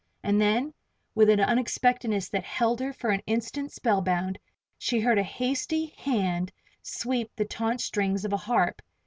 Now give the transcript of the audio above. And then, with an unexpectedness that held her for an instant spellbound, she heard a hasty hand sweep the taut strings of a harp!